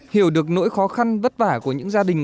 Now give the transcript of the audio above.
hiểu được nỗi khó khăn vất vả của những gia đình